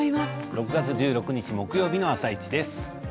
６月１６日木曜日の「あさイチ」です。